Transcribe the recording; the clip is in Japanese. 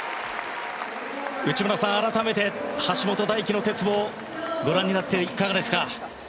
内村さん、改めて橋本大輝の鉄棒をご覧になって、いかがですか？